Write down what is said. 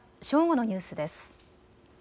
正午のニュースです。